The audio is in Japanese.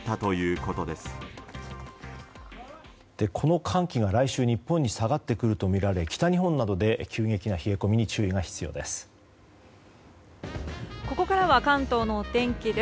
この寒気が来週日本に下がってくるとみられ北日本などで急激な冷え込みに注意が必要です。